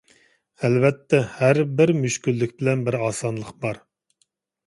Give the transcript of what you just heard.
ئەلۋەتتە، ھەربىر مۈشكۈللۈك بىلەن بىر ئاسانلىق بار.